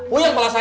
uyuk malah saya